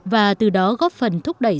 và từ đó góp phần thúc đẩy